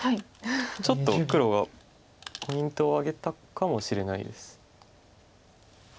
ちょっと黒はポイントを挙げたかもしれないです。